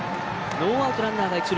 ノーアウト、ランナーが一塁。